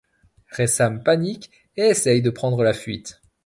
Ressam panique et essaie de prendre la fuite.